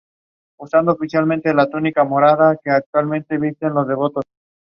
It also includes replicas of such objects made to be deposited in graves.